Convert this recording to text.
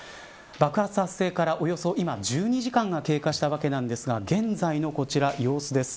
爆発発生から、およそ今１２時間が経過したわけなんですが現在のこちら、様子です。